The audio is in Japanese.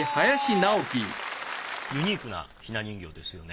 ユニークな雛人形ですよね。